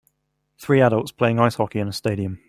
Three adults playing ice hockey in a stadium.